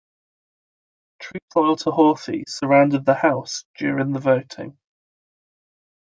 Troops loyal to Horthy surrounded the House during the voting.